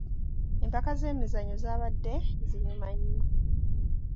Empaka z'emizannyo zaabadde zinyuma nnyo.